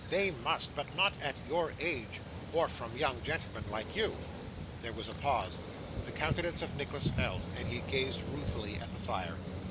'They must; but not at your age, or from young gentlemen like you.' There was a pause. The countenance of Nicholas fell, and he gazed ruefully at the fire.